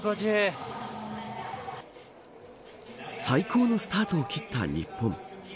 最高のスタートを切った日本。